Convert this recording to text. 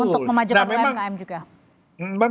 untuk memajukan umkm juga